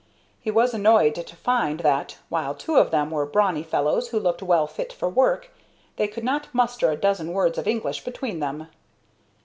He was annoyed to find that, while two of them were brawny fellows who looked well fit for work, they could not muster a dozen words of English between them.